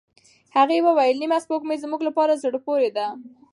هغې وویل، نیمه سپوږمۍ زموږ لپاره زړه پورې ده.